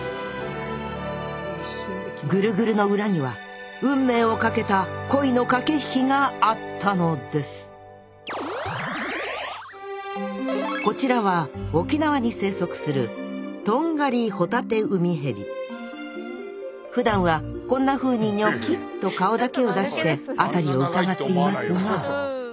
ぐるぐるの裏には運命を懸けた恋の駆け引きがあったのですこちらは沖縄に生息するふだんはこんなふうにニョキっと顔だけを出して辺りをうかがっていますが。